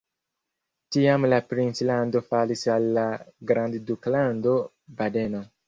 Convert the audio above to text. Tiam la princlando falis al la Grandduklando Badeno.